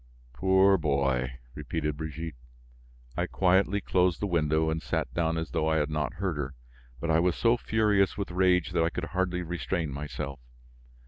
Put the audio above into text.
"Poor boy!" repeated Brigitte. I quietly closed the window and sat down as though I had not heard her; but I was so furious with rage that I could hardly restrain myself.